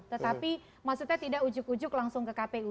tetapi maksudnya tidak ujug ujug langsung ke kpu